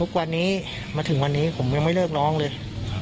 ทุกวันนี้มาถึงวันนี้ผมยังไม่เลิกร้องเลย